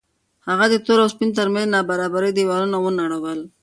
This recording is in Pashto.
هغه د تور او سپین تر منځ د نابرابرۍ دېوالونه ونړول.